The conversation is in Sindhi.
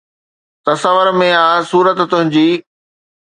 تصور ۾ آ صورت تنهنجي